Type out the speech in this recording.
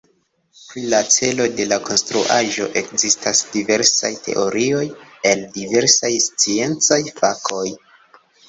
Pri la celo de la konstruaĵo ekzistas diversaj teorioj el diversaj sciencaj fakoj.